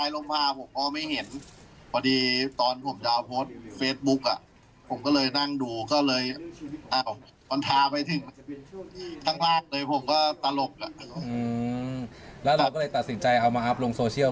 แล้วเราก็เลยตัดสินใจเอามาอัพลงโซเชียล